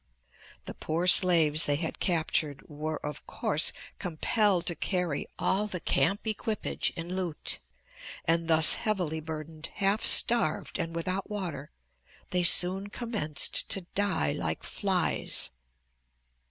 The poor slaves they had captured were, of course, compelled to carry all the camp equipage and loot and thus heavily burdened, half starved and without water, they soon commenced to die like flies.